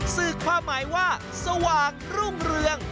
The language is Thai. สื่อความหมายว่าสว่างรุ่งเรือง